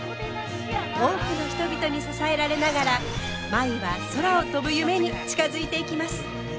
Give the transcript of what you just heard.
多くの人々に支えられながら舞は空を飛ぶ夢に近づいていきます。